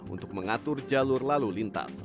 untuk mengatur jalur lalu lintas